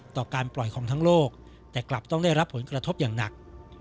ต่อการปล่อยของทั้งโลกแต่กลับต้องได้รับผลกระทบอย่างหนัก